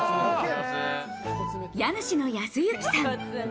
家主の康之さん。